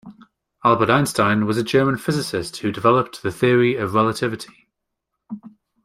Albert Einstein was a German physicist who developed the Theory of Relativity.